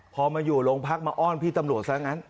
พอมาอยู่โรงพักมาอ้อนพี่ตำรวจซะงั้น